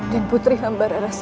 dan putri hamba rarasam